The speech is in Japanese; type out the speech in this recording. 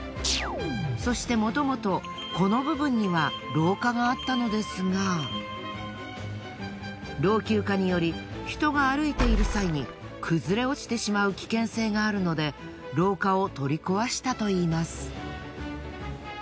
そしてもともとこの部分には廊下があったのですが老朽化により人が歩いている際に崩れ落ちてしまう危険性があるので廊下を取り壊したといいます。